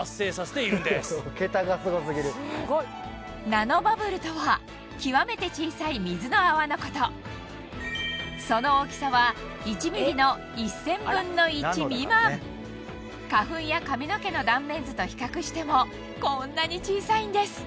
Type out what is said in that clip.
ナノバブルとは極めて小さい水の泡のことその大きさは１ｍｍの１０００分の１未満花粉や髪の毛の断面図と比較してもこんなに小さいんです